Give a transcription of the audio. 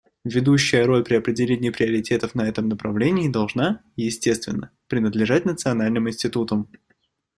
Ведущая роль при определении приоритетов на этом направлении должна, естественно, принадлежать национальным институтам.